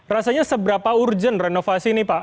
rasanya seberapa urgent renovasi ini pak